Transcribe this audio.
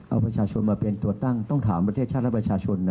เอาประชาชนมาเป็นตัวตั้งต้องถามประเทศชาติและประชาชนนะ